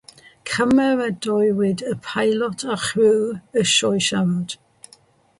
Cymeradwywyd y peilot a chrëwyd y sioe siarad.